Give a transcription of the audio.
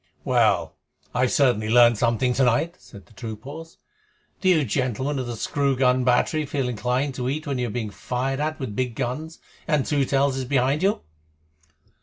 "Well, I've certainly learned something tonight," said the troop horse. "Do you gentlemen of the screw gun battery feel inclined to eat when you are being fired at with big guns, and Two Tails is behind you?"